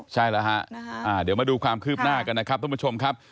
ใช่แล้วฮะเดี๋ยวมาดูความคืบหน้ากันนะครับทุกผู้ชมครับ